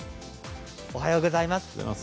おはようございます。